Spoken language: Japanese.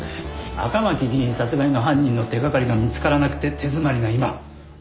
赤巻議員殺害の犯人の手掛かりが見つからなくて手詰まりな今何もしないよりいいだろ。